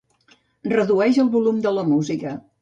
Redueix el volum de la música.